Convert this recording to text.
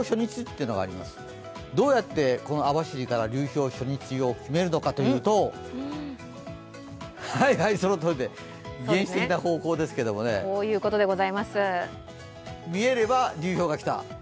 どうやってこの網走から流氷初日を決めるのかというと、原始的な方法ですけれどもね見えれば、流氷が来た。